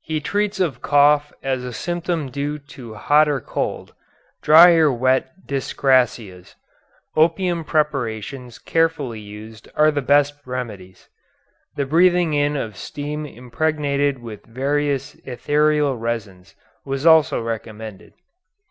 He treats of cough as a symptom due to hot or cold, dry or wet dyscrasias. Opium preparations carefully used are the best remedies. The breathing in of steam impregnated with various ethereal resins, was also recommended.